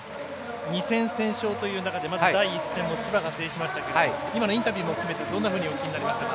２戦先勝という中でまず第１戦を千葉が制しましたが今のインタビューも含めてどのようにお聞きになりましたか。